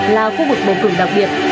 là khu vực bầu cử đặc biệt